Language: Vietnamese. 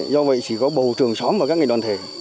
do vậy chỉ có bầu trưởng xóm và các ngành đoàn thể